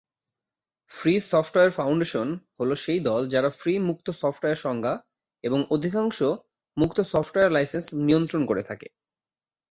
Free software foundation, হল সেই দল যারা ফ্রি মুক্ত সফটওয়্যার সংজ্ঞা এবং অধিকাংশ মুক্ত সফটওয়্যার লাইসেন্স নিয়ন্ত্রণ করে থাকে।